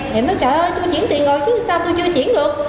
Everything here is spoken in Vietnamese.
thì anh nói trời ơi tôi chuyển tiền rồi chứ sao tôi chưa chuyển được